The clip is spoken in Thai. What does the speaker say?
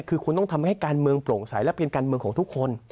คือคุณต้องทำให้การเมืองโปร่งใสและเป็นการเมืองของทุกคน